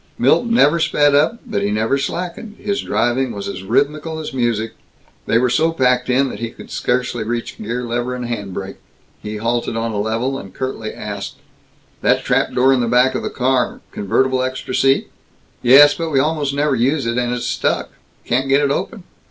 Milt never sped up, but he never slackened. His driving was as rhythmical as music. They were so packed in that he could scarcely reach gear lever and hand brake. He halted on a level, and curtly asked, "That trap door in the back of the car convertible extra seat?" "Yes, but we almost never use it, and it's stuck. Can't get it open."